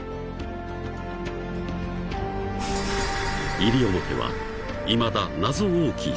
［西表はいまだ謎多き島］